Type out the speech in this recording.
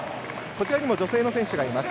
こちらにも女性の選手がいます。